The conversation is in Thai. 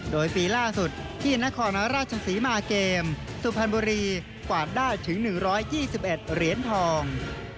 โดยปีล่าสุดที่นครราชศรีมาเกมสุพรรณบุรีกวาดได้ถึง๑๒๑เหรียญทอง